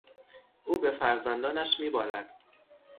او به فرزندانش میبالد.